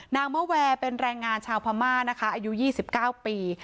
มะแวร์เป็นแรงงานชาวพม่านะคะอายุ๒๙ปี